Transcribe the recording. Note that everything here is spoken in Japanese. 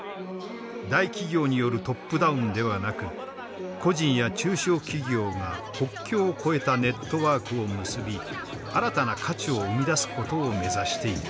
大企業によるトップダウンではなく個人や中小企業が国境を越えたネットワークを結び新たな価値を生み出すことを目指している。